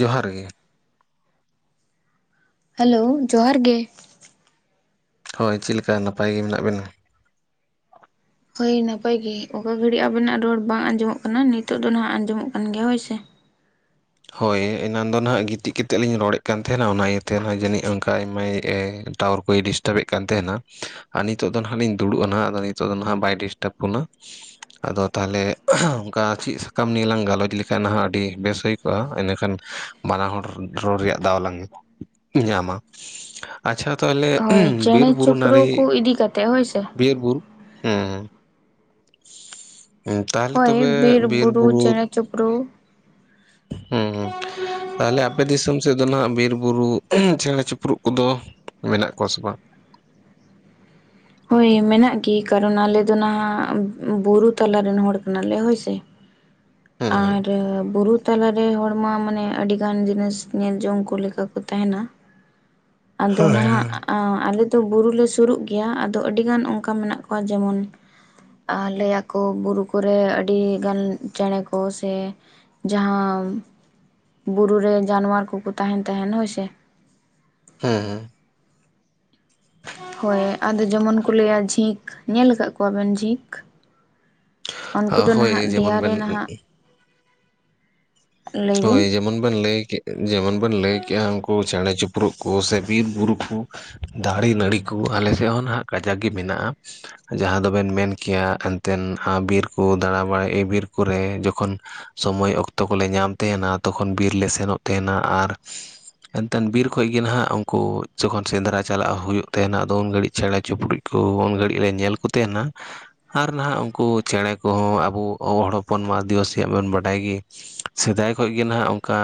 ᱡᱚᱦᱟᱨ ᱜᱮ, ᱦᱮᱞᱳᱣ, ᱡᱚᱦᱟᱨ ᱜᱮ! ᱦᱳᱭ, ᱪᱮᱫ ᱞᱮᱠᱟ? ᱱᱟᱯᱟᱭ ᱜᱮ, ᱢᱮᱱᱟᱜ ᱵᱮᱱᱟ ᱾ ᱦᱳᱭ ᱱᱟᱯᱟᱭ ᱜᱮ, ᱚᱠᱟ ᱜᱷᱟᱹᱲᱤᱡ, ᱟᱵᱮᱱᱟᱜ ᱨᱚᱲ, ᱵᱟᱝ ᱟᱸᱡᱚᱢᱚᱜ ᱠᱟᱱᱟ ᱾ ᱱᱤᱛᱚᱜ ᱫᱚ, ᱱᱟ ᱦᱟᱸᱜ ᱟᱸᱡᱚᱢᱚᱜ ᱠᱟᱱ ᱜᱮᱭᱟ, ᱦᱳᱭ ᱥᱮ ᱾ ᱦᱳᱭ, ᱮᱱᱟᱱ ᱫᱚ ᱱᱟ ᱦᱟᱸᱜ ᱜᱤᱛᱤᱡ ᱠᱟᱛᱮᱫ, ᱞᱤᱧ ᱨᱚᱲᱮᱫ ᱠᱟᱱ ᱛᱟᱦᱮᱱᱟ, ᱚᱱᱟ ᱤᱭᱟᱹᱛᱮ ᱨᱮᱦᱚᱸ, ᱡᱟᱹᱱᱤᱡ ᱚᱱᱠᱟ ᱟᱭᱢᱟᱭ ᱴᱟᱣᱟᱨ ᱠᱚᱭ, ᱰᱤᱥᱴᱟᱵ ᱮᱫ ᱠᱟᱱ ᱛᱟᱦᱮᱱᱟ ᱾ ᱟᱨ, ᱱᱤᱛᱚᱜ ᱫᱚ ᱱᱟᱦᱟᱸᱜ ᱞᱤᱧ, ᱫᱩᱲᱩᱵᱼᱟ ᱱᱟᱦᱟᱸᱜ, ᱱᱤᱛᱚᱜ ᱫᱚ ᱱᱟᱦᱟᱸᱜ, ᱵᱟᱭ ᱰᱤᱥᱴᱟᱵᱽ ᱵᱚᱱᱟ ᱾ ᱟᱫᱚ, ᱛᱟᱦᱚᱞᱮ, ᱟᱸᱼᱷᱟᱸᱦ, ᱚᱱᱠᱟ ᱪᱮᱫ ᱥᱟᱛᱟᱢ ᱱᱤᱭᱮ ᱞᱟᱝ, ᱜᱟᱞᱚᱪ ᱞᱮᱠᱷᱟᱱ ᱱᱟᱦᱟᱜ, ᱟᱹᱰᱤ ᱵᱮᱥ ᱦᱩᱭ ᱠᱚᱜᱼᱟ, ᱤᱱᱟᱹᱠᱷᱟᱱ, ᱵᱟᱱᱟ ᱦᱚᱲ ᱨᱚᱲ ᱨᱮᱭᱟᱜ, ᱫᱟᱣ ᱞᱟᱝ ᱧᱟᱢᱟ ᱾ ᱟᱪᱪᱷᱟ, ᱛᱟᱦᱚᱞᱮ, ᱦᱳᱭ ᱩᱸᱷ, ᱵᱤᱨ ᱪᱮᱬᱮ ᱵᱩᱨᱩ, ᱪᱤᱯᱨᱩ ᱱᱟᱨᱤ, ᱠᱚ ᱤᱫᱤ ᱠᱟᱛᱮᱜ ᱦᱳᱭ ᱥᱮ ᱵᱤᱨ ᱵᱩᱨᱩ, ᱦᱮᱸᱼ ᱛᱟᱦᱚᱞᱮ ᱦᱳᱭ, ᱛᱚᱵᱮ ᱵᱤᱨ ᱵᱩᱨᱩ, ᱪᱮᱬᱮ ᱪᱩᱯᱨᱩ ᱦᱩᱸᱼᱦᱩᱸ ᱛᱟᱦᱟᱞᱮ, ᱟᱯ ᱟᱯᱮ ᱫᱤᱥᱚᱢ ᱥᱮᱫ ᱫᱚ ᱱᱟᱦᱟᱸᱜ, ᱵᱤᱨ ᱵᱩᱨᱩ, ᱪᱮᱬᱮ ᱪᱤᱯᱨᱩᱫ ᱠᱚᱫᱚ, ᱢᱮᱱᱟᱜ ᱠᱚᱣᱟ ᱥᱮ ᱵᱟᱝ? ᱦᱳᱭ, ᱢᱮᱱᱟᱜ ᱜᱮ, ᱠᱟᱨᱚᱱ ᱟᱞᱮ ᱫᱚ ᱱᱟᱦᱟᱜ, ᱵᱩᱨᱩ ᱛᱟᱞᱟ ᱨᱮᱱ, ᱦᱚᱲ ᱠᱟᱱᱟ ᱞᱮ, ᱦᱳᱭ ᱥᱮ ᱾ ᱦᱮᱸ ᱦᱮᱸ ᱟᱨ, ᱵᱩᱨᱩ ᱛᱟᱞᱟ ᱨᱮ, ᱦᱚᱲ ᱢᱟ, ᱢᱟᱱᱮ ᱟᱹᱰᱤ ᱜᱟᱱ, ᱡᱤᱱᱤᱥ ᱧᱮᱞ ᱡᱚᱝ ᱠᱚ, ᱞᱮᱠᱟ ᱠᱚ, ᱛᱟᱦᱮᱱᱟ ᱾ ᱟᱫᱚ ᱦᱳᱭ ᱱᱟᱦᱟᱜ, ᱟᱞᱮ ᱫᱚ, ᱵᱩᱨᱩ ᱞᱮ ᱥᱩᱨᱩᱜ ᱜᱮᱭᱟ ᱾ ᱛᱚ, ᱟᱹᱰᱤᱜᱟᱱ ᱚᱱᱠᱟ, ᱢᱮᱱᱟᱜ ᱠᱚᱣᱟ, ᱡᱮᱢᱚᱱ ᱟᱼ ᱞᱟᱹᱭ ᱟᱠᱚ, ᱵᱩᱨᱩ ᱠᱚ ᱨᱮ, ᱟᱹᱰᱤ ᱜᱟᱱ ᱪᱮᱬᱮ ᱠᱚ, ᱥᱮ ᱡᱟᱦᱟᱸ ᱵᱩᱨᱩ ᱨᱮ, ᱡᱟᱱᱣᱟᱨ ᱠᱚ ᱠᱚ, ᱛᱟᱦᱮᱱ ᱛᱟᱦᱮᱸ ᱦᱳᱭ ᱥᱮ ᱦᱩᱸᱻᱦᱩᱸ ᱾ ᱦᱳᱭ, ᱟᱫᱚ ᱡᱮᱢᱚᱱ ᱠᱚ, ᱞᱟᱹᱭᱟ ᱡᱷᱤᱠ, ᱧᱮᱞ ᱟᱠᱟᱫ ᱠᱚᱣᱟᱵᱮᱱ ᱡᱷᱤᱠ? ᱩᱱᱠᱩ ᱫᱚ ᱦᱳᱭ ᱦᱮᱸ ᱦᱮᱸ ᱦᱳᱭ ᱱᱟᱦᱟᱜ, ᱡᱮᱢᱚᱱ ᱫᱮᱭᱟ ᱨᱮ ᱵᱮᱱ ᱱᱟᱦᱟᱜ ᱞᱟᱹᱭ ᱦᱳᱭ, ᱵᱤᱱ ᱡᱮᱢᱚᱱ ᱵᱮᱱ ᱞᱟᱹᱭ ᱠᱮᱜ, ᱡᱮᱢᱚᱱ ᱵᱮᱱ ᱞᱟᱹᱭ ᱠᱮᱜᱼᱟ, ᱩᱱᱠᱩ ᱪᱮᱬᱮ ᱪᱩᱯ ᱯᱩᱨᱩᱜ ᱠᱚ ᱥᱮ, ᱵᱤᱨ ᱵᱩᱨᱩ ᱠᱚ, ᱫᱟᱨᱮ ᱱᱟᱹᱲᱤ ᱠᱚ, ᱟᱞᱮ ᱥᱮᱫ ᱦᱚᱸ ᱱᱟᱦᱟᱸᱜ, ᱠᱟᱡᱟᱠ ᱜᱮ ᱢᱮᱱᱟᱜᱼᱟ ᱾ ᱡᱟᱦᱟᱸ ᱫᱚ ᱵᱮᱱ ᱢᱮᱱ ᱠᱮᱭᱟ, ᱮᱱᱛᱮᱫ, ᱦᱟᱸ ᱵᱤᱨ ᱠᱚ, ᱫᱟᱬᱟ ᱵᱟᱲᱟᱭ, ᱮ ᱵᱤᱨ ᱠᱚᱨᱮ, ᱡᱚᱠᱷᱚᱱ ᱥᱚᱢᱚᱭ ᱚᱠᱛᱚ ᱠᱚᱞᱮ ᱧᱟᱢ ᱛᱟᱦᱮᱱᱟ, ᱛᱚᱠᱷᱚᱱ ᱵᱤᱨ ᱞᱮ ᱥᱮᱱᱚᱜ ᱛᱟᱦᱮᱱᱟ ᱟᱨ ᱮᱱᱛᱮᱫ ᱵᱤᱨ ᱠᱷᱚᱡ ᱜᱮ ᱱᱟᱦᱟᱸᱜ ᱩᱱᱠᱩ ᱡᱚᱠᱷᱚᱱ ᱥᱮᱸᱫᱽᱨᱟ ᱪᱟᱞᱟᱜ ᱦᱩᱭᱩᱜ ᱛᱟᱦᱮᱱᱟ ᱟᱫᱚ ᱩᱱ ᱜᱷᱟᱹᱲᱤᱡ ᱪᱮᱬᱮ ᱪᱩᱯᱲᱩᱪ᱾ ᱠᱚ ᱩᱱ ᱜᱷᱟᱹᱲᱤᱡ ᱞᱮ ᱧᱮᱞ ᱠᱚ ᱛᱟᱦᱮᱱᱟ᱾ ᱟᱨ ᱱᱟᱦᱟᱸᱜ ᱩᱱᱠᱩ ᱪᱮᱬᱮ ᱠᱚᱦᱚᱸ ᱟᱵᱚ ᱦᱚᱲ ᱦᱚᱯᱚᱱ ᱢᱟ ᱟᱹᱫᱤᱵᱟᱹᱥᱤᱭᱟᱜ ᱵᱚᱱ ᱵᱟᱰᱟᱭ ᱜᱮ᱾ ᱥᱮᱫᱟᱭ ᱠᱷᱚᱡ ᱜᱮ ᱱᱟᱦᱟᱸᱜ ᱚᱱᱠᱟ᱾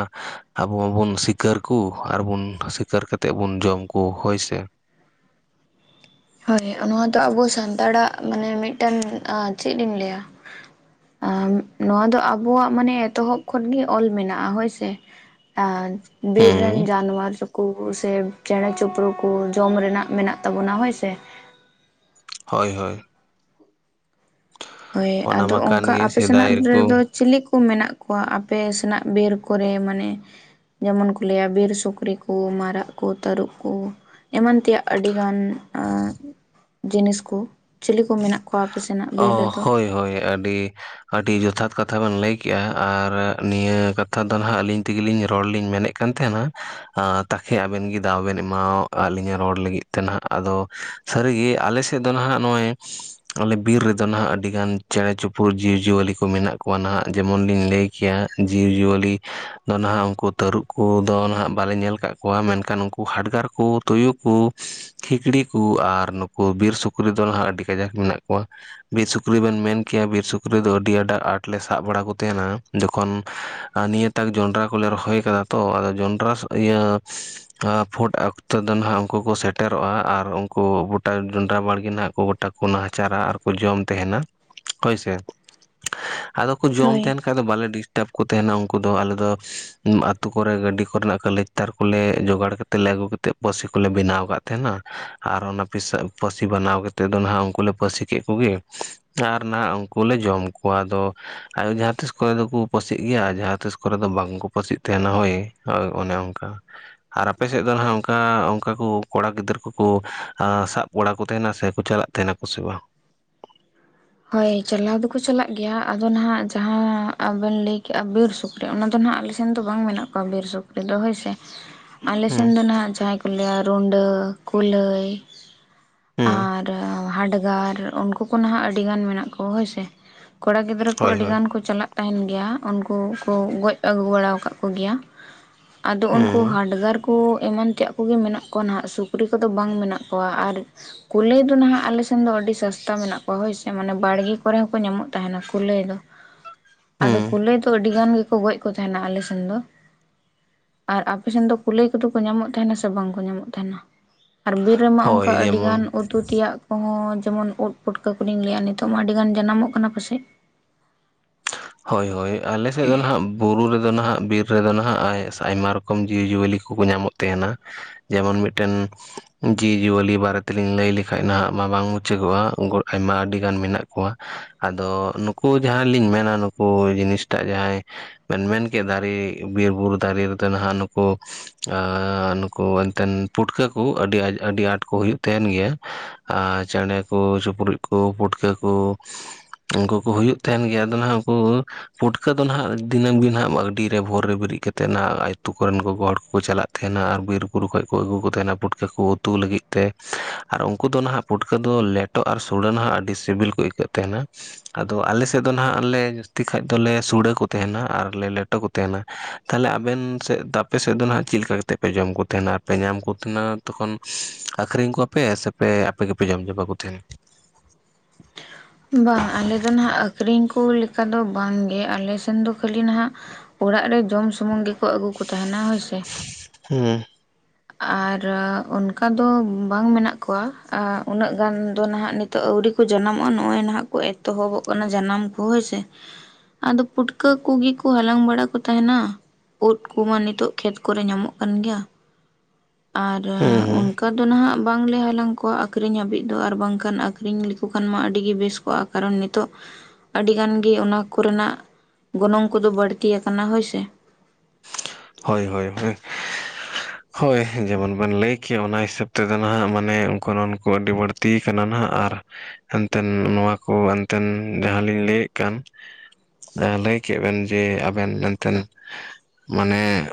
ᱟᱵᱚ ᱢᱟᱵᱚᱱ ᱥᱤᱠᱟᱹᱨ ᱠᱩ ᱟᱨ ᱵᱚᱱ ᱥᱤᱠᱟᱹᱨ ᱠᱟᱛᱮᱫ ᱵᱚᱱ ᱡᱚᱢ ᱠᱩ ᱦᱳᱭ ᱥᱮ᱾ ᱦᱳᱭ ᱱᱚᱣᱟ ᱫᱚ ᱟᱵᱚ ᱥᱟᱱᱛᱟᱲᱟᱜ ᱢᱟᱱᱮ ᱢᱤᱫᱴᱟᱱ ᱪᱮᱫ ᱤᱧ ᱞᱟᱹᱭᱟ᱾ ᱟ ᱱᱚᱣᱟ ᱫᱚ ᱟᱵᱚᱣᱟᱜ ᱢᱟᱱᱮ ᱮᱛᱚᱦᱚᱵ ᱠᱷᱚᱱ ᱜᱮ ᱚᱞ ᱢᱮᱱᱟᱜᱼᱟ ᱦᱳᱭ ᱥᱮ᱾ ᱟᱨ ᱵᱤᱨ ᱦᱩᱸ ᱨᱮᱱ ᱡᱟᱱᱣᱟᱨ ᱠᱩ ᱥᱮ ᱪᱮᱬᱮ ᱪᱤᱯᱨᱩ ᱠᱩ ᱡᱚᱢ ᱨᱮᱱᱟᱜ ᱢᱮᱱᱟᱜ ᱛᱟᱵᱚᱱᱟ ᱦᱳᱭ ᱥᱮ᱾ ᱥᱮ ᱦᱳᱭ ᱦᱳᱭ᱾ ᱦᱳᱭ ᱚᱱᱟ ᱟᱫᱚ ᱢᱟ ᱠᱟᱱ ᱚᱱᱠᱟ ᱜᱮ ᱟᱯᱮ ᱥᱮᱫᱟᱭ ᱥᱮᱱᱟᱜ ᱨᱮᱠᱚ ᱨᱮᱫᱚ ᱪᱤᱞᱤ ᱠᱚ ᱢᱮᱱᱟᱜ ᱠᱚᱣᱟ ᱟᱯᱮ ᱥᱮᱱᱟᱜ ᱵᱤᱨ ᱠᱚᱨᱮ ᱢᱟᱱᱮ᱾ ᱡᱮᱢᱚᱱ ᱠᱚ ᱞᱟᱹᱭᱟ ᱵᱤᱨ ᱥᱩᱠᱨᱤ ᱠᱩ ᱢᱟᱨᱟᱜ ᱠᱩ ᱛᱟᱹᱨᱩᱵᱽ ᱠᱩ᱾ ᱮᱢᱟᱱ ᱛᱮᱭᱟᱜ ᱟᱹᱰᱤᱜᱟᱱ ᱡᱤᱱᱤᱥ ᱠᱚ᱾ ᱪᱤᱞᱤ ᱠᱚ ᱢᱮᱱᱟᱜ ᱠᱚᱣᱟ ᱟᱯᱮ ᱥᱮᱱᱟᱜ ᱵᱤᱨ ᱚ ᱨᱮᱫᱚ᱾ ᱦᱳᱭ ᱦᱳᱭ ᱟᱹᱰᱤ ᱟᱹᱰᱤ᱾ ᱡᱚᱛᱷᱟᱛ ᱠᱟᱛᱷᱟ ᱵᱮᱱ ᱞᱟᱹᱭᱠᱼᱟ ᱟᱨ ᱱᱤᱭᱟᱹ ᱠᱟᱛᱷᱟ ᱫᱚ ᱱᱟᱦᱟᱜ ᱟᱹᱞᱤᱧ ᱛᱮᱜᱮᱞᱤᱧ ᱨᱚᱲ ᱞᱤᱧ ᱢᱮᱱᱮᱫ ᱠᱟᱱ ᱛᱟᱦᱮᱱᱟ᱾ ᱛᱟᱠᱷᱮ ᱟᱵᱮᱱ ᱜᱮ ᱫᱟᱣ ᱵᱮᱱ ᱮᱢᱟ ᱟᱹᱞᱤᱧᱟᱜ ᱨᱚᱲ ᱞᱟᱹᱜᱤᱫ ᱛᱮ ᱦᱟᱸᱜ ᱟᱫᱚ᱾ ᱥᱟᱹᱨᱤ ᱜᱤ ᱟᱞᱮ ᱥᱮᱫ ᱫᱚ ᱱᱟᱦᱟᱜ ᱱᱚᱜᱼᱚᱭ᱾ ᱟᱞᱮ ᱵᱤᱨ ᱨᱮᱫᱚ ᱱᱟᱦᱟᱜ ᱟᱹᱰᱤ ᱜᱟᱱ ᱪᱮᱬᱮ ᱪᱩᱯᱩ ᱡᱤᱵᱽᱼᱡᱤᱭᱟᱹᱞᱤ ᱠᱚ ᱢᱮᱱᱟᱜ ᱠᱚᱣᱟ ᱱᱟᱦᱟᱜ ᱡᱮᱢᱚᱱ ᱞᱤᱧ ᱞᱟᱹᱭ ᱜᱮᱭᱟ ᱡᱤᱵᱽ ᱡᱤᱭᱟᱹᱞᱤ᱾ ᱫᱚ ᱱᱟᱦᱟᱜ ᱩᱱᱠᱩ ᱛᱟᱹᱨᱩᱵᱽ ᱠᱩ ᱫᱚ ᱱᱟᱦᱟᱜ ᱵᱟᱞᱮ ᱧᱮᱞ ᱠᱟᱜ ᱠᱚᱣᱟ, ᱢᱮᱱᱠᱷᱟᱱ ᱩᱱᱠᱩ ᱦᱟᱰᱜᱟᱨ ᱠᱩ, ᱛᱩᱭᱩ ᱠᱩ, ᱠᱷᱤᱠᱷᱤᱲᱤ ᱠᱩ ᱟᱨ ᱱᱩᱠᱩ ᱵᱤᱨ ᱥᱩᱠᱨᱤ ᱫᱚ ᱱᱟᱦᱟᱸᱜ ᱟᱹᱰᱤ ᱠᱟᱡᱟᱠ ᱢᱮᱱᱟᱜ ᱠᱚᱣᱟ᱾ ᱵᱤᱨ ᱥᱩᱠᱨᱤ ᱵᱮᱱ ᱢᱮᱱ ᱠᱮᱭᱟ, ᱵᱤᱨ ᱥᱩᱠᱨᱤ ᱫᱚ ᱟᱹᱰᱤ [unintelligible] ᱟᱸᱴ ᱞᱮ ᱥᱟᱵ ᱵᱟᱲᱟ ᱠᱚ ᱾ ᱡᱚᱠᱷᱚᱱ ᱱᱤᱭᱟᱹᱛᱟᱜ ᱡᱚᱸᱰᱨᱟ ᱠᱚᱞᱮ ᱨᱚᱦᱚᱭ ᱠᱟᱫᱟ ᱛᱚ ᱟᱫᱚ ᱡᱚᱸᱰᱨᱟ ᱤᱭᱟᱹ᱾ ᱟᱯᱷᱩᱴ ᱚᱠᱛᱚ ᱫᱚ ᱱᱟᱦᱟᱜ ᱩᱱᱠᱩ ᱠᱚ ᱥᱮᱴᱮᱨᱚᱜᱼᱟ ᱟᱨ ᱩᱱᱠᱩ ᱜᱚᱴᱟ ᱡᱚᱱᱰᱨᱟ ᱵᱟᱲᱜᱮ ᱱᱟᱦᱟᱜ ᱠᱚ ᱜᱚᱴᱟ ᱱᱟᱦᱟᱪᱟᱨᱟ ᱟᱨ ᱠᱚ ᱡᱚᱢ ᱛᱟᱦᱮᱱᱟ, ᱦᱳᱭ ᱥᱮ ᱟᱫᱚ ᱠᱚ ᱡᱚᱢ ᱦᱳᱭ ᱛᱟᱦᱮᱱ᱾ ᱚᱱᱠᱟ ᱫᱚ ᱵᱟᱞᱮ ᱰᱤᱥᱴᱟᱵᱽ ᱠᱚ ᱛᱟᱦᱮᱱᱟ ᱩᱱᱠᱩ ᱫᱚ ᱟᱞᱮ ᱫᱚ ᱟᱛᱩ ᱠᱚᱨᱮ ᱜᱟᱹᱰᱤ ᱠᱚᱨᱮᱱᱟᱜ ᱠᱟᱞᱮᱠ ᱛᱟᱨ ᱠᱚᱞᱮ ᱡᱚᱜᱟᱲ ᱛᱮᱞᱮ ᱟᱹᱜᱩ ᱠᱟᱛᱮᱫ ᱯᱟᱹᱥᱤ ᱠᱚᱞᱮ ᱵᱮᱱᱟᱣ ᱟᱠᱟᱫ ᱛᱟᱦᱮᱸᱱᱟ, ᱟᱨ ᱚᱱᱟ ᱯᱤᱥᱟ ᱯᱟᱹᱥᱤ ᱵᱮᱱᱟᱣ ᱠᱟᱛᱮᱫ ᱫᱚ ᱱᱟᱦᱟᱜ ᱩᱱᱠᱩ ᱞᱮ ᱯᱟᱹᱥᱤ ᱠᱮᱫ ᱠᱚᱜᱮ ᱟᱨ ᱱᱟᱦᱱᱟᱜ ᱩᱱᱠᱩ ᱞᱮ ᱡᱚᱢ ᱠᱚᱣᱟ ᱟᱫᱚ᱾ [inaudible] ᱡᱟᱸᱦᱟᱸ ᱛᱤᱥ ᱠᱚᱨᱮ ᱫᱚ ᱠᱚ ᱯᱟᱹᱥᱤᱜ ᱜᱮᱭᱟ ᱟᱨ ᱡᱟᱸᱦᱟᱸ ᱛᱤᱥ ᱠᱚᱨᱮ ᱫᱚ ᱵᱟᱝᱠᱚ ᱯᱟᱹᱥᱤᱜ ᱛᱟᱦᱮᱱᱟ ᱦᱳᱭ᱾ ᱦᱳᱭ ᱚᱱᱮ ᱚᱱᱠᱟ᱾ ᱟᱨ ᱟᱯᱮ ᱥᱮᱫ ᱫᱚ ᱱᱟᱦᱟᱜ ᱚᱱᱠᱟ ᱚᱱᱠᱟ ᱠᱚ ᱠᱚᱲᱟ ᱜᱤᱫᱽᱨᱟᱹ ᱠᱚᱠᱚ ᱥᱟᱵ ᱵᱟᱲᱟ ᱠᱚ ᱛᱟᱦᱮᱱᱟ ᱥᱮ ᱠᱚ ᱪᱟᱞᱟᱜ ᱛᱟᱦᱮᱱᱟ ᱠᱩ ᱥᱮ ᱵᱟᱝ? ᱦᱳᱭ ᱪᱟᱞᱟᱣ ᱫᱚᱠᱚ ᱪᱟᱞᱟᱜ ᱜᱮᱭᱟ, ᱟᱫᱚ ᱱᱟᱦᱟᱜ ᱡᱟᱸᱦᱟᱸ ᱟᱵᱮᱱ ᱞᱟᱹᱭᱠᱮᱜᱼᱟ ᱵᱤᱨ ᱥᱩᱠᱨᱤ ᱚᱱᱟᱫᱚ ᱱᱟᱦᱟᱜ ᱟᱞᱮ ᱥᱮᱱ ᱫᱚ ᱵᱟᱝ ᱢᱮᱱᱟᱜ ᱠᱚᱣᱟ ᱵᱤᱨ ᱥᱩᱠᱨᱤ ᱫᱚ ᱦᱳᱭ ᱥᱮ᱾ ᱟᱞᱮ ᱦᱩᱸ ᱥᱮᱱ ᱫᱚ ᱦᱟᱸᱜ ᱡᱟᱸᱦᱟᱸᱭ ᱠᱚ ᱞᱟᱹᱭᱟ ᱨᱩᱸᱰᱟᱹ, ᱠᱩᱞᱟᱹᱭ ᱦᱩᱸ ᱟᱨ ᱦᱟᱰᱜᱟᱨ ᱩᱱᱠᱩ ᱠᱚ ᱱᱟᱦᱟᱜ ᱟᱹᱰᱤᱜᱟᱱ ᱢᱮᱱᱟᱜ ᱠᱚ ᱦᱳᱭ ᱥᱮ᱾ ᱠᱚᱲᱟ ᱜᱤᱫᱽᱨᱟᱹ ᱠᱚ ᱦᱳᱭ ᱟᱹᱰᱤ ᱦᱳᱭ ᱜᱟᱱ ᱠᱚ ᱪᱟᱞᱟᱜ ᱛᱟᱦᱮᱱ ᱜᱮᱭᱟ, ᱩᱱᱠᱩ ᱠᱚ ᱜᱚᱡᱽ ᱟᱹᱜᱩ ᱵᱟᱲᱟ ᱠᱟᱫ ᱠᱚ ᱜᱮᱭᱟ᱾ ᱟᱫᱚ ᱩᱱᱠᱩ ᱦᱩᱸ ᱦᱟᱰᱜᱟᱨ ᱠᱩ ᱮᱢᱟᱱ ᱛᱮᱭᱟᱜ ᱠᱚᱜᱮ ᱢᱮᱱᱟᱜ ᱠᱚᱣᱟ ᱱᱟᱦᱟᱜ ᱥᱩᱠᱨᱤ ᱠᱚᱫᱚ ᱵᱟᱝ ᱢᱮᱱᱟᱜ ᱠᱚᱣᱟ ᱟᱨ ᱠᱩᱞᱟᱹᱭ ᱫᱚ ᱱᱟᱦᱟᱜ ᱟᱞᱮ ᱥᱮᱱ ᱫᱚ ᱟᱹᱰᱤ ᱥᱚᱥᱛᱟ ᱢᱮᱱᱟᱜ ᱠᱚᱣᱟ ᱦᱳᱭ ᱥᱮ᱾ ᱢᱟᱱᱮ ᱵᱟᱲᱜᱮ ᱠᱚᱨᱮ ᱦᱚᱸᱠᱚ ᱧᱟᱢᱚᱜ ᱛᱟᱦᱮᱱᱟ ᱠᱩᱞᱟᱹᱭ ᱫᱚ᱾ ᱟᱫᱚ ᱦᱩᱸ ᱠᱩᱞᱟᱹᱭ ᱫᱚ ᱟᱹᱰᱤ ᱜᱟᱱ ᱜᱮᱠᱚ ᱜᱚᱡ ᱠᱚ ᱛᱟᱦᱮᱱᱟ ᱟᱞᱮ ᱥᱮᱱ ᱫᱚ᱾ ᱟᱨ ᱟᱯᱮ ᱥᱮᱱ ᱫᱚ ᱠᱩᱞᱟᱹᱭ ᱠᱚᱫᱚ ᱠᱚ ᱧᱟᱢᱚᱜ ᱛᱟᱦᱮᱱᱟ ᱥᱮ ᱵᱟᱝᱠᱚ ᱧᱟᱢᱚᱜ ᱛᱟᱦᱮᱱᱟ? ᱟᱨ ᱵᱤᱨ ᱨᱮᱢᱟ ᱦᱳᱭ ᱚᱱᱠᱟ ᱟᱹᱰᱤ ᱡᱮᱢᱚᱱ ᱜᱟᱱ ᱩᱛᱩ ᱛᱮᱭᱟᱜ ᱠᱚᱦᱚᱸ ᱡᱮᱢᱚᱱ ᱩᱫ ᱯᱩᱚᱴᱠᱟᱹ ᱠᱚ᱾ ᱞᱤᱧ ᱞᱟᱹᱭᱟ ᱱᱤᱛᱚᱜ ᱢᱟ ᱟᱹᱰᱤ ᱜᱟᱱ ᱡᱟᱱᱟᱢᱚᱜ ᱠᱟᱱᱟ ᱯᱟᱥᱮᱡ? ᱦᱳᱭ ᱦᱳᱭ ᱟᱞᱮ ᱥᱮᱫ ᱫᱚ ᱱᱟᱦᱟᱜ ᱵᱩᱨᱩ ᱨᱮᱫᱚ ᱱᱟᱦᱟᱜ ᱵᱤᱨ ᱨᱮᱫᱚ ᱱᱟᱦᱟᱜ ᱟᱭᱢᱟ ᱨᱚᱠᱚᱢ ᱡᱤᱣᱤᱼᱡᱤᱭᱟᱹᱞᱤ ᱠᱚᱠᱚ ᱧᱟᱢᱚᱜ ᱛᱟᱦᱮᱱᱟ᱾ ᱡᱮᱢᱚᱱ ᱢᱤᱫᱴᱮᱱ ᱡᱤᱣᱤᱼᱡᱤᱭᱟᱹᱞᱤ ᱵᱟᱨᱮ ᱛᱮᱞᱤᱧ ᱞᱟᱹᱭ ᱞᱮᱠᱷᱟᱱᱡ ᱱᱟᱦᱟᱜ ᱢᱟ ᱵᱟᱝ ᱢᱩᱪᱟᱹᱫᱚᱜᱼᱟ ᱳᱜᱳᱰ ᱟᱭᱢᱟ ᱟᱹᱰᱤᱜᱟᱱ ᱢᱮᱱᱟᱜ ᱠᱚᱣᱟ ᱟᱫᱚ ᱱᱩᱠᱩ ᱡᱟᱦᱟᱸᱞᱤᱧ ᱢᱮᱱᱟ ᱱᱩᱠᱩ ᱡᱤᱱᱤᱥᱴᱟᱜ ᱡᱟᱦᱟᱸᱭ ᱵᱮᱱ ᱢᱮᱱ ᱠᱮᱫᱟ ᱫᱟᱨᱮ ᱵᱤᱨ-ᱵᱩᱨᱩ ᱫᱟᱨᱮ ᱨᱮᱫᱚ ᱱᱟᱦᱟᱸᱜ ᱱᱩᱠᱩ ᱟ ᱱᱩᱠᱩ ᱮᱱᱛᱮᱱ ᱯᱩᱴᱠᱟᱹ ᱠᱚ ᱟᱹᱰᱤ ᱟᱸᱴ ᱠᱚ ᱦᱩᱭᱩᱜ ᱛᱟᱦᱮᱱ ᱜᱮᱭᱟ᱾ ᱟ ᱪᱮᱬᱮ ᱠᱚ, ᱪᱩᱯᱨᱩᱡ ᱠᱚ, ᱯᱩᱴᱠᱟᱹ ᱠᱚ ᱩᱱᱠᱩ ᱠᱚ ᱦᱩᱭᱩᱜ ᱛᱟᱦᱮᱱ ᱜᱮᱭᱟ ᱟᱫᱚ ᱱᱟᱦᱟᱜ ᱩᱱᱠᱩ ᱯᱩᱴᱠᱟᱹ ᱫᱚ ᱱᱟᱦᱟᱜ ᱫᱤᱱᱟᱹᱢ ᱫᱤᱱ ᱦᱟᱸᱜ ᱟᱰᱤᱨᱮ ᱵᱷᱳᱨ ᱨᱮ ᱵᱮᱨᱮᱫ ᱠᱟᱛᱮᱫ ᱱᱟᱦᱟᱜ ᱟᱹᱛᱩ ᱠᱚᱨᱮᱱ ᱜᱚᱜᱚ ᱦᱚᱲ ᱠᱚᱠᱚ ᱪᱟᱞᱟᱜ ᱛᱟᱦᱮᱱᱟ ᱟᱨ ᱵᱤᱨᱵᱩᱨᱩ ᱠᱷᱚᱡ ᱠᱚ ᱟᱹᱜᱩ ᱛᱟᱦᱮᱱᱟ ᱯᱩᱴᱠᱟᱹ ᱠᱚ ᱩᱛᱩ ᱞᱟᱹᱜᱤᱫ ᱛᱮ ᱟᱨ ᱩᱱᱠᱩ ᱫᱚ ᱱᱟᱦᱟᱜ ᱯᱩᱴᱠᱟᱹ ᱫᱚ ᱞᱮᱴ ᱴᱚ ᱟᱨ ᱥᱳᱲᱟᱹ ᱱᱟᱦᱟᱜ ᱟᱹᱰᱤ ᱥᱤᱵᱤᱞ ᱠᱚ ᱟᱹᱭᱠᱟᱹᱜ ᱛᱟᱦᱮᱱᱟ᱾ ᱟᱫᱚ ᱟᱞᱮᱥᱮᱫ ᱫᱚ ᱱᱟᱦᱟᱜ ᱟᱞᱮ ᱛᱤ ᱠᱷᱟᱡ ᱫᱚᱞᱮ ᱥᱩᱲᱟᱹ ᱠᱚ ᱛᱟᱦᱮᱱᱟ ᱟᱨ ᱞᱮ ᱞᱮᱴᱚ ᱠᱚ ᱛᱟᱦᱮᱱᱟ᱾ ᱛᱟᱦᱚᱞᱮ ᱟᱵᱮᱱ ᱥᱮᱫ ᱟᱯᱮ ᱥᱮᱫ ᱫᱚ ᱱᱟᱦᱟᱜ ᱪᱮᱫ ᱞᱮᱠᱟ ᱠᱟᱛᱮ ᱛᱮᱯᱮ ᱡᱚᱢ ᱠᱚ ᱛᱟᱦᱮᱱᱟ ᱟᱨᱯᱮ ᱧᱟᱢ ᱠᱚ ᱛᱟᱦᱮᱱᱟ ᱛᱚᱠᱷᱚᱱ ᱟᱠᱷᱨᱤᱧ ᱠᱚᱣᱟᱯᱮ ᱥᱮ ᱯᱮ ᱚᱯᱮ ᱜᱮᱯᱮ ᱡᱟᱢ ᱪᱟᱵᱟᱠᱚ ᱛᱟᱦᱮᱱᱟ? ᱵᱟᱝ ᱟᱞᱮ ᱫᱚ ᱱᱟᱦᱟᱜ ᱟᱹᱠᱷᱨᱤᱧ ᱠᱚ ᱞᱮᱠᱟ ᱫᱚ ᱵᱟᱝᱜᱮ ᱟᱞᱮ ᱥᱮᱱ ᱫᱚ ᱠᱷᱟᱹᱞᱤ ᱱᱟᱦᱟᱜ ᱚᱲᱟᱜ ᱨᱮ ᱡᱚᱢ ᱥᱩᱢᱩᱝ ᱜᱮᱠᱚ ᱟᱹᱜᱩ ᱠᱚ ᱛᱟᱦᱮᱱᱟ ᱦᱳᱭᱥᱮ᱾ ᱦᱩᱸ᱾ ᱟᱨ ᱚᱱᱠᱟ ᱫᱚ ᱵᱟᱝ ᱢᱮᱱᱟᱜ ᱠᱚᱣᱟ᱾ ᱟ ᱩᱱᱟᱹᱜ ᱜᱟᱱ ᱫᱚ ᱱᱟᱦᱟᱜ ᱱᱤᱛ ᱛᱚ ᱟᱣᱨᱤ ᱠᱚ ᱡᱟᱱᱟᱢᱚᱜᱼᱟ, ᱱᱚᱜᱼᱚᱭ ᱱᱟᱦᱟᱜ ᱠᱚ ᱮᱛᱚᱦᱚᱵᱚᱜ ᱠᱟᱱᱟ ᱡᱟᱱᱟᱢ ᱠᱚ ᱦᱳᱭ ᱥᱮ᱾ ᱟᱫᱚ ᱯᱩᱴᱠᱟᱹ ᱠᱚᱜᱮ ᱠᱚ ᱦᱟᱞᱟᱝ ᱵᱟᱲᱟ ᱠᱚ ᱛᱟᱦᱮᱸᱱᱟ᱾ ᱳᱫᱽ ᱠᱚᱢᱟ ᱱᱤᱛᱚᱜ ᱠᱷᱮᱛ ᱠᱚᱨᱮ ᱧᱟᱢᱚᱜ ᱠᱟᱱ ᱜᱮᱭᱟ ᱟᱨ ᱦᱩᱸ ᱦᱩᱸ ᱚᱱᱠᱟ ᱛᱟᱨ ᱫᱚ ᱱᱟᱦᱟᱜ ᱵᱟᱝᱞᱮ ᱦᱟᱞᱟᱝ ᱠᱚᱣᱟ ᱟᱹᱠᱷᱨᱤᱧ ᱦᱟᱹᱵᱤᱡ ᱫᱚ ᱟᱨ ᱵᱟᱝᱠᱷᱟᱱ ᱟᱠᱷᱨᱤᱧ ᱞᱮᱠᱚ ᱠᱷᱟᱱ ᱢᱟ ᱟᱹᱰᱤ ᱜᱮ ᱵᱮᱥ ᱠᱚᱼᱟ ᱠᱟᱨᱚᱱ ᱱᱤᱛᱚᱜ ᱟᱹᱰᱤ ᱜᱟᱱ ᱜᱮ ᱚᱱᱟ ᱠᱚᱨᱮᱱᱟᱜ ᱜᱚᱱᱚᱝ ᱠᱚᱫᱚ ᱵᱟᱹᱲᱛᱤ ᱟᱠᱟᱱᱟ ᱦᱳᱭ ᱥᱮ᱾ ᱦᱳᱭ ᱦᱳᱭ ᱦᱳᱭ᱾ ᱦᱳᱭ ᱡᱮᱢᱚᱱ ᱵᱮᱱ ᱞᱟᱹᱭ ᱠᱮ ᱚᱱᱟ ᱦᱤᱥᱟᱹᱵ ᱛᱮᱫᱚ ᱱᱟᱦᱟᱜ ᱢᱟᱱᱮ ᱜᱚᱱᱚᱱ ᱠᱚ ᱟᱹᱰᱤ ᱵᱟᱹᱲᱛᱤᱭ ᱠᱟᱱᱟ ᱱᱟᱦᱟᱜ ᱟᱨ ᱦᱮᱱᱛᱮᱱ ᱱᱚᱣᱟ ᱠᱚ ᱮᱱᱛᱮᱱ ᱡᱟᱦᱟᱸᱞᱤᱧ ᱞᱟᱹᱭᱮᱫ ᱠᱟᱱ ᱫᱚ ᱞᱟᱹᱭ ᱠᱮᱫ ᱵᱮᱱ ᱡᱮ ᱟᱵᱮᱱ ᱢᱮᱱᱛᱮᱱ ᱢᱟᱱᱮ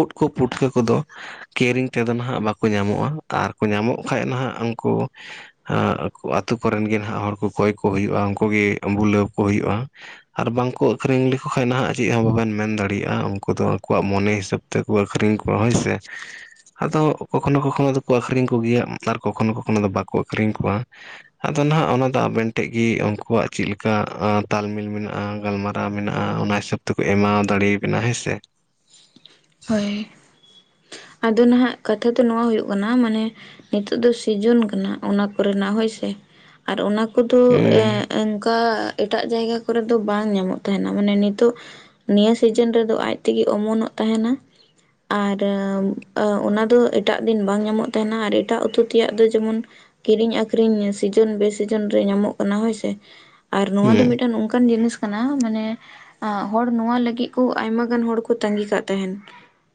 ᱩᱫᱽ ᱠᱚ ᱯᱩᱴᱠᱟᱹ ᱠᱚᱫᱚ ᱠᱮᱨᱤᱝ ᱛᱮᱫᱚ ᱱᱟᱦᱟᱸᱜ ᱵᱟᱠᱚ ᱧᱟᱢᱚᱜᱼᱟ, ᱟᱨ ᱠᱚ ᱧᱟᱢᱚᱜ ᱠᱷᱟᱡ ᱱᱟᱦᱟᱜ ᱩᱱᱠᱩ ᱟ ᱟᱛᱳ ᱠᱚᱨᱮᱱ ᱜᱮ ᱱᱟᱦᱟᱸᱜ ᱦᱚᱲ ᱠᱚ ᱠᱚᱭ ᱠᱚ ᱦᱩᱭᱩᱜᱼᱟ ᱩᱱᱠᱩᱜ ᱜᱮ ᱵᱩᱞᱟᱹᱣ ᱠᱚ ᱦᱩᱭᱩᱜ-ᱟ᱾ ᱟᱨ ᱵᱟᱝᱠᱚ ᱟᱹᱠᱷᱨᱤᱧ ᱞᱮᱠᱚ ᱠᱷᱟᱱ ᱱᱟᱦᱟᱜ ᱪᱮᱫ ᱦᱚᱸ ᱵᱟᱵᱮᱱ ᱢᱮᱱ ᱫᱟᱲᱮᱭᱟᱜᱼᱟ ᱩᱱᱠᱩ ᱫᱚ ᱟᱠᱚᱣᱟᱜ ᱢᱚᱱᱮ ᱦᱤᱥᱟᱹᱵ ᱛᱮᱠᱚ ᱟᱹᱠᱷᱨᱤᱧ ᱠᱚᱭᱟ ᱦᱳᱭ ᱥᱮ᱾ ᱟᱫᱚ ᱠᱚᱠᱷᱚᱱᱚ ᱠᱚᱠᱷᱚᱱᱚ ᱟᱫᱚᱠᱚ ᱟᱠᱷᱨᱤᱧ ᱠᱚᱜᱮᱭᱟ ᱟᱨ ᱠᱚᱠᱷᱚᱱᱚ ᱠᱚᱠᱷᱚᱱᱚ ᱫᱚ ᱵᱟᱠᱚ ᱟᱠᱷᱨᱤᱧ ᱠᱚᱣᱟ᱾ ᱟᱫᱚ ᱱᱟᱦᱟᱜ ᱚᱱᱟ ᱫᱚ ᱟᱵᱮᱱ ᱴᱷᱮᱡ ᱜᱮ ᱩᱱᱠᱩᱣᱟᱜ ᱪᱮᱫ ᱞᱮᱠᱟ ᱛᱟᱞᱢᱤᱞ ᱢᱮᱱᱟᱜᱼᱟ᱾ ᱜᱟᱞᱢᱟᱨᱟᱣ ᱢᱮᱱᱟᱜᱼᱟ ᱚᱱᱟ ᱦᱤᱥᱟᱹᱵ ᱛᱮᱠᱚ ᱮᱢᱟᱣ ᱫᱟᱲᱮᱭᱟᱵᱮᱱᱟ ᱦᱮᱸ ᱥᱮ᱾ ᱦᱳᱭ᱾ ᱟᱫᱚ ᱱᱟᱦᱟᱸᱜ ᱠᱟᱛᱷᱟ ᱫᱚ ᱱᱚᱣᱟ ᱦᱩᱭᱩᱜ ᱠᱟᱱᱟ ᱢᱟᱱᱮ ᱱᱤᱛᱚᱜ ᱫᱚ ᱥᱤᱡᱩᱱ ᱠᱟᱱᱟ ᱚᱱᱟ ᱠᱚᱨᱮᱱᱟᱜ ᱦᱳᱭ ᱥᱮ᱾ ᱟᱨ ᱚᱱᱟ ᱠᱚᱫᱚ ᱮ ᱦᱩᱸ ᱚᱱᱠᱟ ᱮᱴᱟᱜ ᱡᱟᱭᱜᱟ ᱠᱚᱨ ᱫᱚ ᱵᱟᱝ ᱧᱟᱢᱚᱜ ᱛᱟᱦᱮᱸᱱᱟ ᱢᱟᱱᱮ ᱱᱤᱛᱚᱜ ᱱᱤᱭᱟᱹ ᱥᱤᱡᱤᱱ ᱨᱮᱫᱚ ᱟᱡ ᱛᱮᱜᱮ ᱚᱢᱚᱱᱚᱜ ᱛᱟᱦᱮᱸᱱᱟ᱾ ᱟᱨ ᱚᱱᱟ ᱫᱚ ᱮᱴᱟᱜ ᱫᱤᱱ ᱵᱟᱝ ᱧᱟᱢᱚᱜ ᱛᱟᱦᱮᱸᱱᱟ ᱟᱨ ᱮᱴᱟᱜ ᱩᱛᱩ ᱛᱮᱭᱟᱜ ᱫᱚ ᱡᱮᱢᱚᱱ, ᱠᱤᱨᱤᱧ ᱟᱠᱷᱨᱤᱧ ᱥᱤᱡᱩᱱ ᱵᱮ ᱥᱤᱡᱩᱱ ᱨᱮ ᱧᱟᱢᱚᱜ ᱠᱟᱱᱟ ᱦᱳᱭᱥᱮ᱾ ᱟᱨ ᱱᱚᱣᱟ ᱫᱚ ᱦᱩᱸ ᱢᱤᱫᱴᱟᱝ ᱱᱚᱝᱠᱟᱱ ᱡᱤᱱᱤᱥ ᱠᱟᱱᱟ, ᱢᱟᱱᱮ ᱦᱚᱲ ᱱᱚᱣᱟ ᱞᱟᱹᱜᱤᱜ ᱠᱚ ᱟᱭᱢᱟ ᱜᱟᱱ ᱦᱚᱲ ᱠᱚ ᱛᱟᱸᱜᱤ ᱠᱟᱜ ᱛᱟᱦᱮᱸᱱ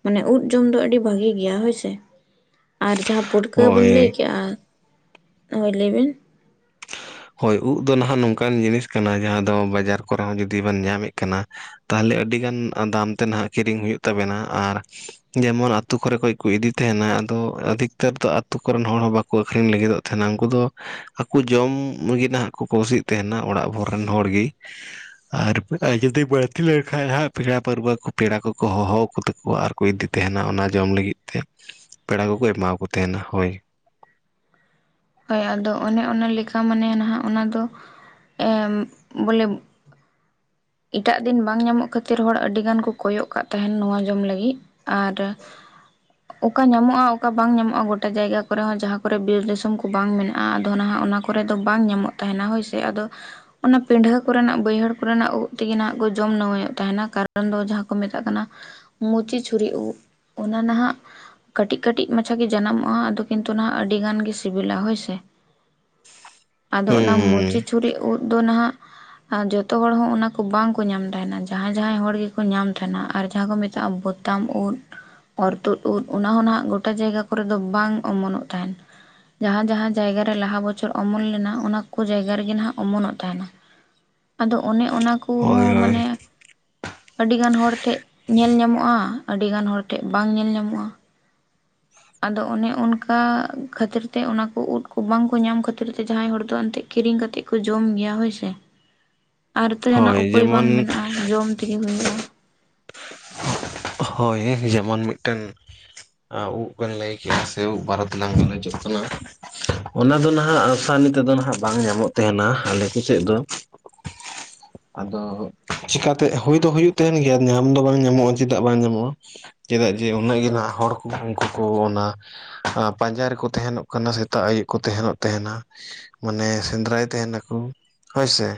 ᱢᱟᱱᱮ ᱳᱫ ᱡᱚᱢ ᱫᱚ ᱟᱹᱰᱤ ᱵᱷᱟᱹᱜᱮ ᱜᱮᱭᱟ ᱦᱳᱭᱥᱮ ᱟᱨ ᱡᱟᱦᱟᱸ ᱵᱷᱩᱴᱠᱟᱹᱵᱤᱱ ᱦᱳᱭ ᱞᱟᱹᱭ ᱠᱮᱫᱮᱜᱼᱟ ᱦᱚᱭ ᱞᱟᱹᱭ ᱵᱤᱱ? ᱦᱳᱭ ᱩᱫ ᱫᱚ ᱱᱟᱦᱟᱜ ᱱᱚᱝᱠᱟᱱ ᱡᱤᱱᱤᱥ ᱠᱟᱱᱟ ᱡᱟᱦᱟᱸ ᱫᱚ ᱵᱟᱡᱟᱨ ᱠᱚᱨᱮ ᱦᱚᱸ ᱡᱩᱫᱤ ᱵᱮᱱ ᱧᱟᱢᱮᱜ ᱠᱟᱱᱟ, ᱛᱟᱦᱚᱞᱮ ᱟᱹᱰᱤᱜᱟᱱ ᱫᱟᱢ ᱛᱮ ᱱᱟᱦᱟᱜ ᱠᱤᱨᱤᱧ ᱦᱩᱭᱩᱜ ᱛᱟᱵᱮᱱᱟ ᱟᱨ ᱡᱮᱢᱚᱱ ᱟᱛᱳ ᱠᱚᱨᱮ ᱠᱚᱭ ᱠᱚ ᱤᱫᱤ ᱛᱟᱦᱮᱸᱱᱟ ᱟᱫᱚ ᱟᱫᱛᱟᱹᱨ ᱫᱚ ᱟᱛᱳ ᱠᱚᱨᱮᱱ ᱦᱚᱲ ᱦᱚᱸ ᱵᱟ ᱠᱚ ᱟᱹᱠᱷᱨᱤᱧ ᱞᱟᱹᱜᱤᱫᱚᱜ ᱛᱟᱦᱮᱸᱱᱟ ᱩᱱᱠᱩ ᱫᱚ ᱟᱠᱚ ᱡᱚᱢ ᱞᱟᱹᱜᱤᱜ ᱱᱟᱦᱟᱜ ᱠᱚ ᱠᱚ ᱥᱤᱜ ᱛᱟᱦᱮᱸᱱᱟ ᱚᱲᱟᱜ ᱵᱷᱳᱨ ᱨᱮᱱ ᱦᱚᱲ ᱜᱮ, ᱟᱨ ᱡᱩᱫᱤ ᱵᱟᱹᱲᱛᱤ ᱞᱮᱱᱠᱟᱱ ᱦᱟᱸᱜ ᱯᱮᱲᱟ ᱯᱟᱹᱨᱣᱟᱹ ᱠᱚ ᱯᱮᱲᱟ ᱠᱚᱠᱚ ᱦᱚᱦᱚᱠᱚᱛᱟ ᱠᱚᱣᱟ ᱟᱨ ᱠᱚ ᱤᱫᱤ ᱛᱟᱦᱮᱸᱱᱟ ᱚᱱᱟ ᱡᱚᱢ ᱞᱟᱹᱜᱤᱫ ᱛᱮ, ᱯᱮᱲᱟ ᱠᱚᱠᱚ ᱮᱢᱟ ᱠᱚ ᱛᱟᱦᱮᱸᱱᱟ ᱦᱳᱭ᱾ ᱦᱳᱭ ᱟᱫᱚ ᱚᱱᱮ ᱚᱱᱟ ᱞᱮᱠᱟ ᱢᱟᱱᱮ ᱱᱟᱦᱟᱜ ᱚᱱᱟ ᱫᱚ ᱮᱢ ᱵᱚᱞᱮ ᱮᱴᱟᱜ ᱫᱤᱱ ᱵᱟᱝ ᱧᱟᱢᱚᱜ ᱠᱷᱟᱹᱛᱤᱨ ᱦᱚᱲ ᱟᱹᱰᱤ ᱜᱟᱱ ᱠᱚ ᱠᱚᱭᱚᱜ ᱠᱟᱜ ᱛᱟᱦᱮᱸᱱ ᱱᱚᱣᱟ ᱡᱚᱢ ᱞᱟᱹᱜᱤᱜ᱾ ᱟᱫᱚ [inaudible] ᱚᱠᱟ ᱧᱟᱢᱚᱜᱼᱟ ᱚᱠᱟ ᱵᱟᱝ ᱧᱟᱢᱚᱜᱼᱟ ᱜᱚᱴᱟ ᱡᱟᱭᱜᱟ ᱠᱚᱨᱮ ᱦᱚᱸ ᱡᱟᱦᱟᱸ ᱵᱤᱨ ᱫᱤᱥᱚᱢ ᱠᱚ ᱵᱟᱝ ᱢᱮᱱᱟᱜᱼᱟ ᱟᱫᱚ ᱱᱟᱦᱟᱜ ᱚᱱᱟ ᱠᱚᱨᱮ ᱫᱚ ᱵᱟᱝ ᱧᱟᱢᱚᱜ ᱛᱟᱦᱮᱸᱱᱟ ᱦᱳᱭ ᱥᱮ ᱟᱫᱚ ᱚᱱᱟ ᱯᱤᱰᱷᱟᱹ ᱠᱚᱨᱮᱱᱟᱜ ᱵᱟᱹᱭᱦᱟᱹᱲ ᱠᱚᱨᱮᱱᱟᱜ ᱩᱫ ᱛᱮᱜᱮ ᱱᱟᱦᱟᱜ ᱠᱚ ᱡᱚᱢ ᱱᱟᱢᱟᱹᱭᱚᱜ ᱛᱟᱦᱮᱸᱱᱟ ᱠᱟᱨᱚᱱ ᱫᱚ ᱡᱟᱦᱟᱸ ᱠᱚ ᱢᱮᱛᱟᱜ ᱠᱟᱱᱟ ᱢᱩᱪᱤ ᱪᱷᱩᱨᱤ ᱩᱵ ᱚᱱᱟ ᱱᱟᱦᱟᱜ ᱠᱟᱹᱴᱤᱜ ᱠᱟᱹᱴᱤᱜ ᱢᱟᱪᱷᱟᱜᱮ ᱡᱟᱱᱟᱢᱚᱜᱼᱟ ᱟᱫᱚ ᱠᱤᱱᱛᱩ ᱱᱟᱦᱟᱜ ᱟᱹᱰᱤ ᱜᱟᱱ ᱜᱮ ᱥᱤᱵᱤᱞᱟ ᱦᱳᱭᱥᱮ᱾ [inaudible] ᱟᱫᱚ ᱚᱱᱟ ᱦᱩᱸ ᱢᱩᱪᱤ ᱪᱷᱩᱨᱤ ᱩᱫ ᱫᱚ ᱱᱟᱦᱟᱜ ᱡᱚᱛᱚ ᱦᱚᱲ ᱦᱚᱸ ᱚᱱᱟ ᱠᱚ ᱵᱟᱝᱠᱚ ᱧᱟᱢ ᱛᱟᱦᱮᱸᱱᱟ ᱡᱟᱦᱟᱸᱭ ᱡᱟᱦᱟᱸᱭ ᱦᱚᱲ ᱜᱮᱠᱚ ᱧᱟᱢ ᱛᱟᱦᱮᱸᱱᱟ ᱟᱨ ᱡᱟᱦᱟᱸ ᱠᱚ ᱢᱮᱛᱟᱜᱼᱟ ᱵᱳᱛᱟᱢ ᱩᱫ᱾ ᱚᱨ ᱛᱩᱫ ᱩᱫ ᱚᱱᱟ ᱦᱚᱸ ᱱᱟᱦᱟᱜ ᱜᱚᱴᱟ ᱡᱟᱭᱜᱟ ᱠᱚᱨᱮ ᱫᱚ ᱵᱟᱝ ᱚᱢᱚᱱᱚᱜ ᱛᱟᱦᱮᱸᱱ ᱡᱟᱦᱟᱸ ᱡᱟᱦᱟᱸ ᱡᱟᱭᱜᱟᱨᱮ ᱞᱟᱦᱟ ᱵᱚᱪᱷᱚᱨ ᱚᱢᱚᱱ ᱞᱮᱱᱟ ᱚᱱᱟ ᱠᱚ ᱡᱟᱭᱜᱟ ᱨᱮᱜᱮ ᱱᱟᱦᱟᱜ ᱚᱢᱚᱱᱚᱜ ᱛᱟᱦᱮᱸᱱᱟ᱾ ᱟᱫᱚ ᱚᱱᱮ ᱚᱱᱟ ᱦᱳᱭ ᱠᱚᱦᱚᱸ ᱦᱳᱭ ᱢᱟᱱᱮ ᱟᱹᱰᱤ ᱜᱟᱱ ᱦᱚᱲ ᱴᱷᱮᱜ ᱧᱮᱞ ᱧᱟᱢᱚᱜᱼᱟ ᱟᱹᱰᱤ ᱜᱟᱱ ᱦᱚᱲ ᱴᱷᱮᱜ ᱵᱟᱝ ᱧᱮᱞ ᱧᱟᱢᱚᱜᱼᱟ᱾ ᱟᱫᱚ ᱚᱱᱮ ᱚᱱᱠᱟ ᱠᱷᱟᱹᱛᱤᱨ ᱛᱮ ᱚᱱᱟ ᱠᱚ ᱩᱫ ᱠᱚ ᱵᱟᱝ ᱠᱚ ᱧᱟᱢ ᱠᱷᱟᱹᱛᱤᱨ ᱛᱮ ᱡᱟᱦᱟᱸᱭ ᱦᱚᱲ ᱫᱚ ᱮᱱᱛᱮᱜ ᱠᱤᱨᱤᱧ ᱠᱟᱛᱮᱜ ᱠᱚ ᱡᱚᱢ ᱜᱮᱭᱟ ᱦᱳᱭ ᱥᱮ᱾ [inaudible] ᱟᱨ ᱛᱚ ᱦᱳᱭ ᱡᱟᱦᱟᱸᱱᱟᱜ ᱩᱯᱟᱹᱭ ᱵᱟᱝ ᱡᱮᱢᱚᱱ ᱢᱮᱱᱟᱜᱼᱟ ᱡᱚᱢ ᱛᱮᱜᱮ ᱦᱩᱭᱩᱜᱼᱟ᱾ ᱦᱳᱭ ᱡᱮᱢᱚᱱ ᱢᱤᱫᱴᱮᱱ ᱮᱸ ᱩᱵ ᱵᱮᱱ ᱞᱟᱹᱭ ᱠᱮᱜᱼᱟ ᱥᱮ ᱩᱵ ᱵᱟᱨᱮᱛᱮᱞᱟᱝ ᱜᱟᱞᱚᱪᱚ ᱠᱟᱱᱟ᱾ ᱚᱱᱟ ᱫᱚ ᱱᱟᱦᱟᱜ ᱟᱥᱟᱱᱤ ᱛᱮᱫᱚ ᱱᱟᱦᱟᱜ ᱵᱟᱝ ᱧᱟᱢᱚᱜ ᱛᱟᱦᱮᱸᱱᱟ ᱟᱞᱮ ᱠᱚ ᱥᱮᱜ ᱫᱚ, ᱟᱫᱚ ᱪᱤᱠᱟᱛᱮ ᱦᱩᱭ ᱫᱚ ᱦᱩᱭᱩᱜ ᱛᱟᱦᱮᱸᱱ ᱜᱮᱭᱟ ᱧᱟᱢ ᱫᱚ ᱵᱟᱝ ᱧᱟᱢᱚᱜᱼᱟ᱾ ᱪᱮᱫᱟᱜ ᱵᱟᱝ ᱧᱟᱢᱚᱜᱼᱟ ᱪᱮᱫᱟᱜ ᱡᱮ ᱩᱱᱟᱹᱜ ᱜᱮ ᱱᱟᱦᱟᱜ ᱦᱚᱲ ᱠᱚ ᱩᱱᱠᱩ ᱠᱚ ᱚᱱᱟ, ᱟᱸᱯᱟᱧᱡᱟ ᱨᱮᱠᱚ ᱛᱟᱦᱮᱱᱚᱜ ᱠᱟᱱᱟ ᱥᱮᱛᱟᱜ ᱟᱹᱭᱩᱵ ᱠᱚ ᱛᱟᱦᱮᱸᱱᱚᱜ ᱛᱟᱦᱮᱸᱱᱟ᱾ ᱢᱟᱱᱮ ᱥᱮᱸᱫᱽᱨᱟᱭ ᱛᱟᱦᱮᱸ ᱱᱟᱹᱠᱩ ᱦᱳᱭᱥᱮ,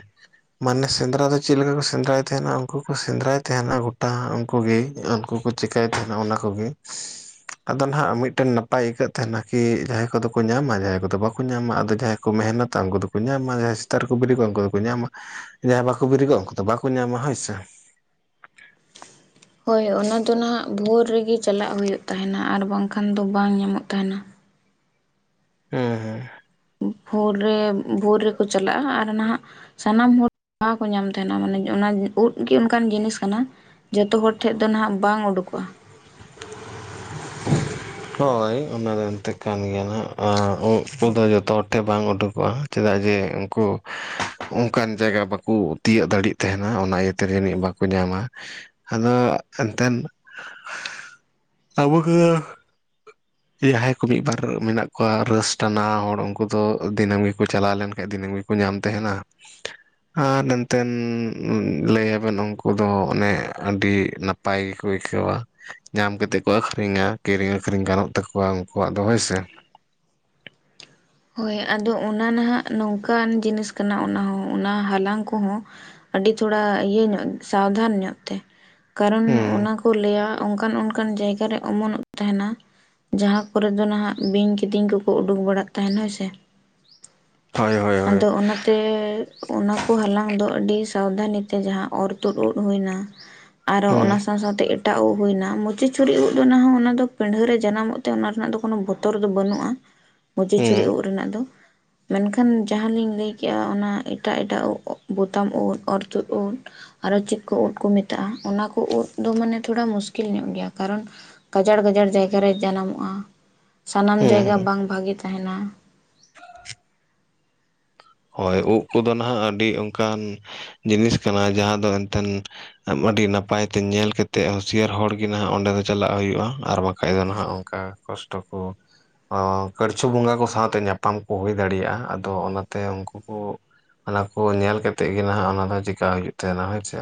ᱢᱟᱱᱮ ᱥᱮᱸᱫᱽᱨᱟ ᱫᱚ ᱪᱮᱜ ᱞᱮᱠᱟ ᱠᱚ ᱥᱮᱸᱫᱽᱨᱟᱭ ᱛᱟᱦᱮᱸᱱᱟ ᱩᱱᱠᱩ ᱠᱚ ᱥᱮᱸᱫᱽᱨᱟᱭ ᱛᱟᱦᱮᱸᱱᱟ ᱜᱚᱴᱟ ᱠᱚᱜᱮ ᱩᱱᱠᱩ ᱠᱚ ᱪᱮᱠᱟᱹᱭ ᱛᱟᱦᱮᱸᱱᱟ ᱚᱱᱟ ᱠᱚᱜᱮ᱾ ᱟᱫᱚ ᱱᱟᱦᱟᱸᱜ ᱢᱤᱫᱴᱮᱱ ᱱᱟᱯᱟᱭ ᱟᱹᱭᱠᱟᱹᱜ ᱛᱟᱦᱮᱸᱱᱟ ᱠᱤ ᱡᱟᱦᱟᱸᱭ ᱠᱚᱫᱚ ᱠᱚ ᱧᱟᱢᱟ ᱡᱟᱦᱟᱸᱭ ᱠᱚᱫᱚ ᱵᱟᱠᱚ ᱧᱟᱢᱟ ᱟᱫ ᱡᱟᱦᱟᱸᱭ, ᱢᱮᱦᱱᱚᱛᱟ ᱩᱱᱠᱩ ᱫᱚᱠᱚ ᱧᱟᱢᱟ, ᱡᱟᱦᱟᱸᱭ ᱥᱮᱛᱟᱜ ᱨᱮᱠᱚ ᱵᱤᱨᱤᱫᱚᱜ-ᱟ ᱩᱱᱠᱩ ᱫᱚᱠᱚ ᱧᱟᱢᱟ᱾ ᱡᱟᱦᱟᱸᱭ ᱵᱟᱠᱚ ᱵᱮᱨᱮᱫᱚᱜ-ᱟ ᱩᱱᱠᱩ ᱫᱚ ᱵᱟᱠᱚ ᱧᱟᱢᱟ ᱦᱳᱭᱥᱮ᱾ ᱦᱳᱭ ᱦᱳᱛ, ᱚᱱᱟ ᱫᱚ ᱱᱟᱦᱟᱜ ᱵᱷᱳᱨ ᱨᱮᱜᱮ ᱪᱟᱞᱟᱜ ᱦᱩᱭᱩᱜ ᱛᱟᱸᱦᱮᱱᱟ ᱟᱨ ᱵᱟᱝᱠᱷᱟᱱ ᱫᱚ ᱵᱟᱝ ᱧᱟᱢᱚᱜ ᱛᱟᱸᱦᱮᱱᱟ᱾ ᱦᱮᱸ ᱦᱮᱸ᱾ ᱦᱚᱸᱜᱮ, ᱵᱷᱳᱨ ᱨᱮᱠᱚ ᱪᱟᱞᱟᱜ-ᱟ ᱟᱨ ᱱᱟᱦᱟᱜ ᱥᱟᱱᱟᱢ ᱦᱚᱲ ᱵᱟᱠᱚ ᱧᱟᱢ ᱛᱟᱸᱦᱮᱱ ᱢᱟᱱᱮ ᱚᱱᱟ ᱩᱫ ᱜᱮ ᱚᱱᱠᱟᱱ ᱡᱤᱱᱤᱥ ᱠᱟᱱᱟ᱾ ᱡᱚᱛᱚ ᱦᱚᱲ ᱴᱷᱮᱡ ᱫᱚ ᱱᱟᱦᱟᱜ ᱵᱟᱝ ᱩᱰᱩᱠᱚᱜ-ᱟ᱾ [inaudible] ᱦᱳᱭ ᱚᱱᱟᱫᱚ ᱮᱱᱛᱮ ᱠᱟᱱ ᱜᱮᱭᱟ ᱱᱟᱦᱟᱜ, ᱟᱨ ᱩᱫ ᱠᱚᱫᱚ ᱡᱚᱛᱚ ᱦᱚᱲ ᱴᱷᱮᱡ ᱵᱟᱝ ᱩᱰᱩᱠᱚᱜ-ᱟ᱾ ᱪᱮᱫᱟᱜ ᱡᱮ ᱩᱱᱠᱩ ᱚᱱᱠᱟᱱ ᱡᱟᱭᱜᱟ ᱵᱟᱠᱚ ᱛᱤᱭᱟᱹᱜ ᱫᱟᱲᱮᱭᱟᱜ ᱛᱟᱦᱮᱱᱟ ᱚᱱᱟ ᱤᱭᱟᱹᱛᱮ ᱡᱟᱹᱱᱤᱡ ᱵᱟ ᱠᱚ ᱧᱟᱢᱟ, ᱟᱫᱚ ᱮᱱᱛᱮᱱ ᱟᱵᱚ ᱱᱚᱣᱟ ᱡᱟᱦᱟᱸᱭ ᱠᱚ ᱢᱤᱫ ᱵᱟᱨ ᱢᱮᱱᱟᱜ ᱠᱚᱣᱟ ᱨᱟᱹᱥ ᱴᱟᱱᱟᱣ ᱦᱚᱲ ᱩᱱᱠᱩ ᱫᱚ ᱫᱤᱱᱟᱹᱢ ᱜᱮᱠᱚ ᱪᱟᱞᱟᱣ ᱞᱮᱱᱠᱷᱟᱡ ᱫᱤᱱᱟᱹᱢ ᱜᱮ ᱠᱚ ᱧᱟᱢ ᱛᱟᱸᱦᱮᱱᱟ᱾ ᱟᱨ ᱮᱱᱛᱮᱮᱱ ᱞᱟᱹᱭᱟᱵᱮᱱ ᱩᱱᱠᱩ ᱫᱚ ᱚᱱᱮ ᱟᱹᱰᱤ ᱱᱟᱯ ᱯᱟᱭ ᱜᱮᱠᱚ ᱟᱹᱭᱠᱟᱹᱣᱟ᱾ ᱧᱟᱢ ᱠᱟᱛᱮᱜ ᱠᱚ ᱟᱹᱠᱷᱨᱤᱧᱟ, ᱠᱤᱨᱤᱧ ᱟᱹᱠᱷᱨᱤᱧ ᱜᱟᱱᱚᱜ ᱛᱟᱠᱚᱣᱟ ᱩᱝᱠᱩᱣᱟᱜ ᱫᱚ ᱦᱳᱭᱥᱮ᱾ ᱦᱳᱭ ᱟᱫᱚ ᱚᱱᱟ ᱱᱟᱦᱟᱜ ᱱᱚᱝᱠᱟᱱ ᱡᱤᱱᱤᱥ ᱠᱟᱱᱟ ᱚᱱᱟ ᱦᱚᱸ, ᱚᱱᱟ ᱦᱟᱞᱟᱝ ᱠᱚᱦᱚᱸ ᱟᱹᱰᱤ ᱛᱷᱚᱲᱟ ᱤᱭᱟᱹ ᱧᱚᱜ, ᱥᱟᱵᱫᱷᱟᱱ ᱧᱚᱜ ᱛᱮ᱾ ᱠᱟᱨᱚᱱ ᱦᱩᱸ ᱚᱱᱟ ᱠᱚ ᱞᱟᱹᱭᱟ ᱚᱝᱠᱟᱱ ᱚᱝᱠᱟᱱ ᱡᱟᱭᱜᱟ ᱠᱚᱨᱮ ᱚᱢᱚᱱᱚᱜ ᱛᱟᱸᱦᱮᱱᱟ, ᱡᱟᱦᱟᱸ ᱠᱚᱨᱮ ᱫᱚ ᱱᱟᱦᱟᱜ ᱵᱤᱧ ᱠᱤᱫᱤᱧ ᱠᱚᱠᱚ ᱩᱰᱩᱠ ᱵᱟᱲᱟᱜ ᱛᱟᱸᱦᱮᱱᱟ ᱥᱮ ᱦᱳᱭ ᱦᱳᱭ ᱦᱳᱭ᱾ ᱟᱫᱚ ᱚᱱᱟᱛᱮ ᱚᱱᱟ ᱠᱚ ᱦᱟᱞᱟᱝ ᱫᱚ ᱟᱹᱰᱤ ᱥᱟᱵᱫᱷᱟᱱᱤ ᱛᱮ ᱡᱟᱦᱟᱸ ᱚᱨ ᱛᱩᱫ ᱩᱫ ᱦᱩᱭᱱᱟ [inaudible] ᱟᱨᱚ ᱚᱱᱟ ᱥᱟᱶ ᱥᱟᱶᱛᱮ ᱮᱴ ᱮᱴᱟᱜ ᱩᱱ ᱦᱩᱭᱱᱟ, ᱢᱚᱪᱤ ᱪᱷᱩᱨᱤ ᱩᱫ ᱫᱚ ᱦᱟᱸᱜ ᱚᱱᱟ ᱦᱚᱸ ᱚᱱᱟ ᱫᱚ ᱯᱤᱸᱰᱷᱟᱹ ᱨᱮ ᱡᱟᱱᱟᱢᱚᱜ ᱛᱮ ᱚᱱᱟ ᱨᱮᱱᱟᱜ ᱫᱚ ᱠᱳᱱᱚ ᱵᱚᱛᱚᱨ ᱫᱚ ᱵᱟᱹᱱᱩᱜ-ᱟ᱾ ᱢᱩᱡᱤ ᱪᱷᱩᱨᱤ ᱦᱩᱸ ᱩᱱ ᱨᱮᱱᱟᱜ ᱫᱚ᱾ ᱢᱮᱱᱠᱷᱟᱱ ᱡᱟᱦᱟᱸ ᱞᱤᱧ ᱞᱟᱹᱭ ᱠᱮᱜ-ᱟ ᱚᱱᱟ ᱮᱴᱟᱜ ᱮᱴᱟᱜ ᱩᱫ, ᱵᱳᱛᱟᱢ ᱩᱫ ᱚᱨᱛᱩᱫ ᱩᱫ ᱟᱨᱚ ᱪᱮᱫ ᱠᱚ ᱩᱫ ᱠᱚ ᱢᱮᱛᱟᱜ-ᱟ, ᱚᱱᱟ ᱠᱚ ᱩᱫ ᱫᱚ ᱢᱟᱱᱮ ᱛᱷᱚᱲᱟ ᱢᱩᱥᱠᱤᱞ ᱧᱚᱜ ᱜᱮᱭᱟ ᱠᱟᱨᱚᱱ ᱜᱟᱡᱟᱲ ᱜᱟᱡᱟᱲ ᱡᱟᱭᱜᱟ ᱨᱮ ᱡᱟᱱᱟᱢᱚᱜ-ᱟ, ᱥᱟᱱᱟᱢ ᱦᱩᱸ ᱡᱟᱭᱜᱟ ᱦᱩᱸ ᱵᱟᱝ ᱵᱷᱟᱹᱜᱮ ᱛᱟᱸᱦᱮᱱᱟ᱾ ᱦᱳᱭ ᱩᱵ ᱠᱚᱫᱚ ᱱᱟᱦᱟᱜ ᱟᱹᱰᱤ ᱚᱝᱠᱟᱱ ᱡᱤᱱᱤᱥ ᱠᱟᱱᱟ ᱡᱟᱦᱟᱸ ᱫᱚ ᱮᱱᱛᱮᱱ ᱟᱹᱰᱤ ᱱᱟᱯᱟᱭ ᱛᱮ ᱧᱮᱞ ᱠᱟᱛᱮᱜ ᱦᱩᱸᱥᱭᱟᱹᱨ ᱦᱚᱲ ᱜᱮ ᱱᱟᱦᱟᱜ ᱚᱸᱰᱮ ᱫᱚ ᱪᱟᱞᱟᱜ ᱦᱩᱭᱩᱜ-ᱟ ᱟᱨ ᱵᱟᱠᱷᱟᱡ ᱫᱚ ᱱᱟᱦᱟᱜ ᱚᱝᱠᱟ ᱠᱚᱥᱴᱚ ᱠᱚ, ᱟᱸᱻ ᱠᱟᱹᱲᱪᱩ ᱵᱚᱸᱜᱟ ᱠᱚ ᱥᱟᱶᱛᱮ ᱧᱟᱯᱟᱢ ᱠᱚ ᱦᱩᱭ ᱫᱟᱲᱮᱭᱟᱜ-ᱟ᱾ ᱟᱫᱚ ᱚᱱᱟ ᱛᱮ ᱩᱱᱠᱩ ᱠᱚ ᱚᱱᱟ ᱠᱚ ᱧᱮᱞ ᱠᱟᱛᱮᱫ ᱜᱮ ᱱᱟᱦᱟᱜ ᱚᱱᱟ ᱫᱚ ᱪᱮᱠᱟ ᱦᱩᱭᱩᱜ ᱛᱟᱸᱦᱮᱱᱟ ᱦᱳᱭᱪᱮ᱾